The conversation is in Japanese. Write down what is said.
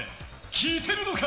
聞いてるのか！